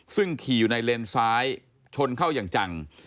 ซึ่งขี่อยู่ในเลนซ้ายชนเข้าอย่างจัง